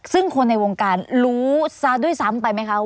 ซึ่งคนในวงการรู้ซะด้วยซ้ำไปไหมคะ